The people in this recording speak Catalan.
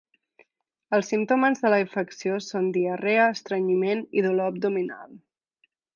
Els símptomes de la infecció són diarrea, estrenyiment i dolor abdominal.